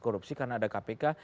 karena ada kpk